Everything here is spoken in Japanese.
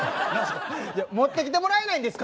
いや持ってきてもらえないんですか？